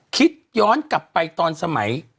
คิดย้อนกลับไปตอนสมัย